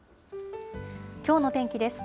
きょうの天気です。